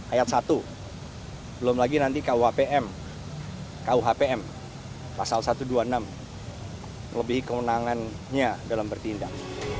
ayat satu belum lagi nanti kuhpm pasal satu ratus dua puluh enam melebihi kewenangannya dalam bertindak